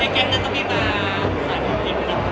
ในแกงจะต้องมีบ้าง